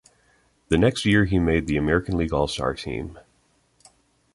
The next year he made the American League All-Star team.